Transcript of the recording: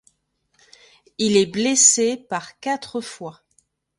Il est blessé par quatre fois.